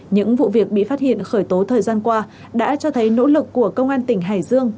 những vụ việc bị phát hiện khởi tố thời gian qua đã cho thấy nỗ lực của công an tỉnh hải dương